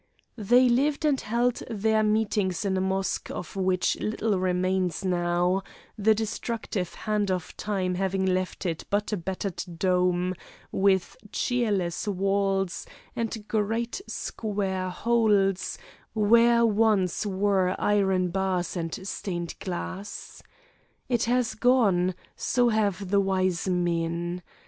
They lived and held their meetings in a mosque of which little remains now, the destructive hand of time having left it but a battered dome, with cheerless walls and great square holes, where once were iron bars and stained glass. It has gone so have the wise men.